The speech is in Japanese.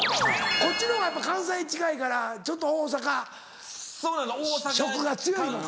こっちのほうがやっぱ関西近いからちょっと大阪色が強いのか。